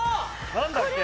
何だっけ？